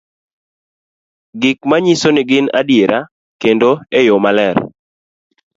gik manyiso ni gin adiera kendo e yo maler